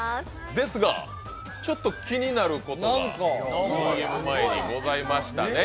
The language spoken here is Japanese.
ですが、ちょっと気になることがＣＭ前にございましたね。